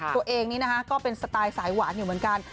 ตัวเองนี้นะคะก็เป็นสไตล์สายหวานอยู่เหมือนกัน